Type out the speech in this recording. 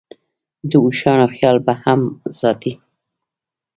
د اوښانو خیال به هم ساتې.